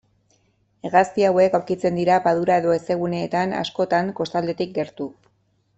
Hegazti hauek aurkitzen dira padura eta hezeguneetan, askotan kostaldetik gertu.